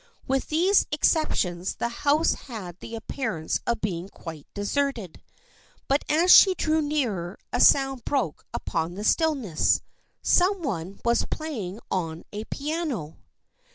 With these exceptions the house had the appearance of being quite deserted. But as she drew nearer a sound broke upon the stillness. Some one was playing on a piano.